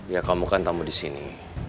ya kamu kan tamu di sini